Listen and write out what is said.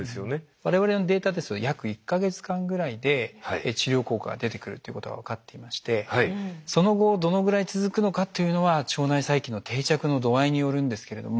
我々のデータですと約１か月間ぐらいで治療効果が出てくるということが分かっていましてその後どのぐらい続くのかっていうのは腸内細菌の定着の度合いによるんですけれども。